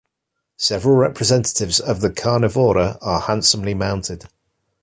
Several representatives of the "Carnivora" are handsomely mounted.